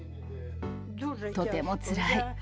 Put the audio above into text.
とてもつらい。